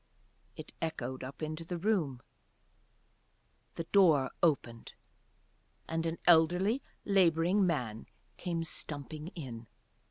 It echoed up to the room, the door opened. And an elderly labouring man came stumping in.